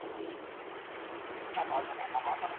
ښځه بايد د خپل خاوند له شتمنۍ څخه بې خبره نه وي.